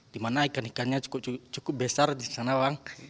di mana ikan ikannya cukup besar di sana bang